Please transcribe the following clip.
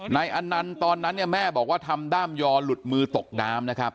อันนั้นเนี่ยแม่บอกว่าทำด้ามยอหลุดมือตกน้ำนะครับ